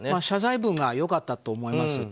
謝罪文が良かったと思います。